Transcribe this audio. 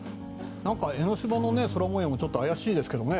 江の島の空模様もちょっと怪しいですけどね。